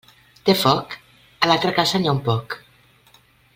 Té foc? A l'altra casa n'hi ha un poc.